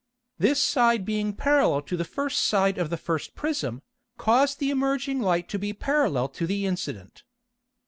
This Side being parallel to the first Side of the first Prism, caused the emerging Light to be parallel to the incident.